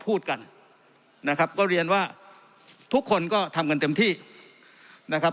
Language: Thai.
พูดกันนะครับก็เรียนว่าทุกคนก็ทำกันเต็มที่นะครับ